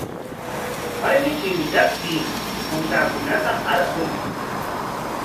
Warmi qintranpik uushankunata qarqun.